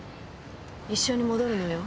一緒に戻るのよ。